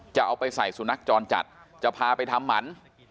จะเอาไปใส่สุนัขจรจัดจะพาไปทำหมัน